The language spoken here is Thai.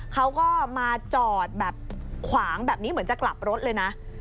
เขาก็มาจอดแบบขวางแบบนี้เหมือนจะกลับรถเลยนะ